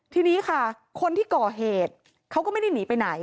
ทีนี้ค่ะคนที่ก่อเหตุเขาก็ไม่ได้หนีไปไหน